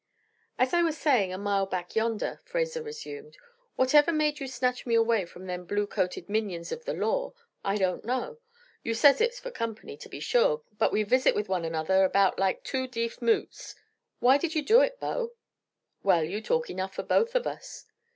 "As I was saying a mile back yonder," Fraser resumed, "whatever made you snatch me away from them blue coated minions of the law, I don't know. You says it's for company, to be sure, but we visit with one another about like two deef mutes. Why did you do it, Bo?" "Well, you talk enough for both of us."